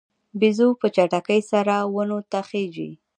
بیزو په چټکۍ سره ونو ته خیژي.